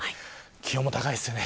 気温も高いですね。